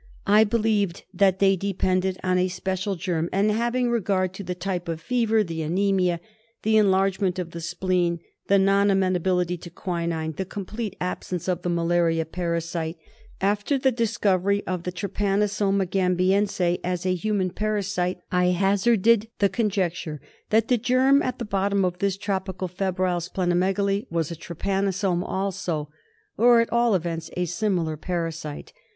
I believed that they depended on a special germ ; and, having regard to the type of fever, the anaemia, the enlargement of the spleen, the non amena bility to quinine, the complete absence of the malaria parasite, after the discovery of the Trypanosoma gam biense as a human parasite I hazarded the conjecture that the germ at the bottom of this tropical febrile spleno megaly was a trypanosome also, or at all events a similar parasite.